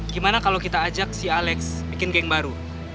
gimana kalau kita ajak si alex bikin geng baru